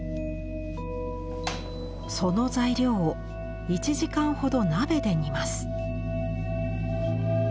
その材料を１時間ほど鍋で煮ます。